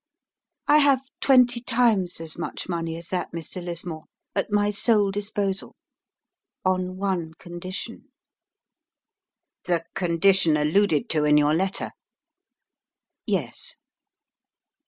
"I have twenty times as much money as that, Mr. Lismore, at my sole disposal on one condition." "The condition alluded to in your letter?" "Yes."